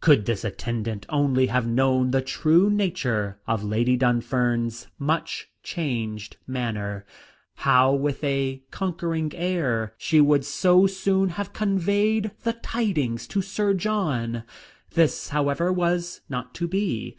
Could this attendant only have known the true nature of Lady Dunfern's much changed manner, how, with a conquering air, she would so soon have conveyed the tidings to Sir John. This, however, was not to be.